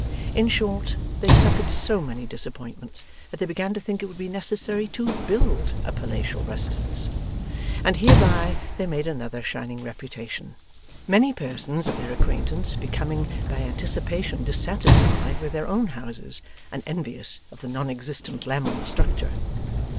In short, they suffered so many disappointments, that they began to think it would be necessary to build a palatial residence. And hereby they made another shining reputation; many persons of their acquaintance becoming by anticipation dissatisfied with their own houses, and envious of the non existent Lammle structure.